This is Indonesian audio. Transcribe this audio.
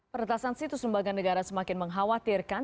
peretasan situs lembaga negara semakin mengkhawatirkan